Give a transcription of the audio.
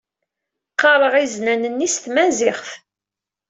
Qqareɣ iznan-nni s tmaziɣt.